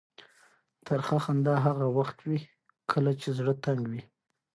ترخه خندا هغه وخت وي کله چې زړه تنګ وي.